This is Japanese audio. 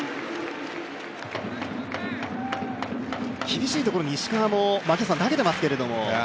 厳しいところに石川も投げていますけれども。